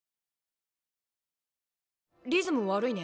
リズム悪いね。